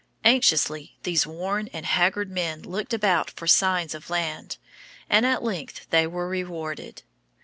Anxiously these worn and haggard men looked about for signs of land, and at length they were rewarded.